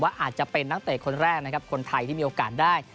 ว่าอาจจะเป็นนักเตะคนแรกคนไทยที่มีโอกาสได้